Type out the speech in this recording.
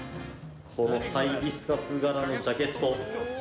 ハイビスカス柄のジャケット。